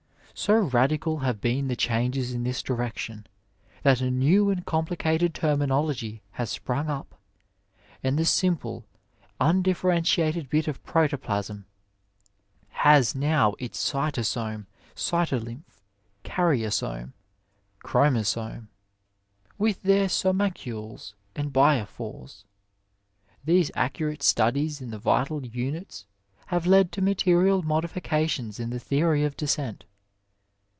So radical have been the changes in this direction that a new and complicated terminology has sprung up, and the simple, undifferentiated bit of proto plasm has now its cjrtosome, cytolymph, caryosome, chro mosome, with their somacules and biophores. These accurate studies in the vital units have led to material modifications in the theory of descent.